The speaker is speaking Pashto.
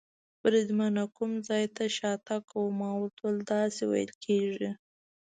بریدمنه، کوم ځای ته شاتګ کوو؟ ما ورته وویل: داسې وېل کېږي.